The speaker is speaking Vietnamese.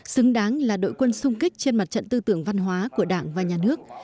xứng đáng là đội quân sung kích trên mặt trận tư tưởng văn hóa của đảng và nhà nước